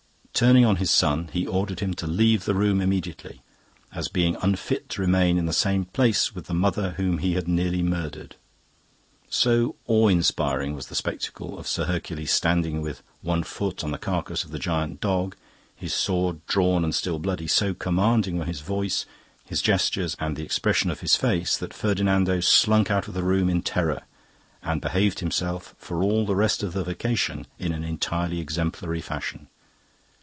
Turning on his son, he ordered him to leave the room immediately, as being unfit to remain in the same place with the mother whom he had nearly murdered. So awe inspiring was the spectacle of Sir Hercules standing with one foot on the carcase of the gigantic dog, his sword drawn and still bloody, so commanding were his voice, his gestures, and the expression of his face that Ferdinando slunk out of the room in terror and behaved himself for all the rest of the vacation in an entirely exemplary fashion.